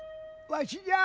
わしじゃよ。